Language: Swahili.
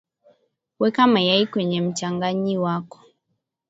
weka mayai kwenye mchanganyi wako